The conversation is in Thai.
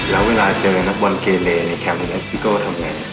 แล้วเวลาเจอนักบอลเกเลในแคมป์นี้พี่ก็ว่าทำไง